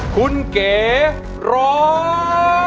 คุณเก๋ร้อง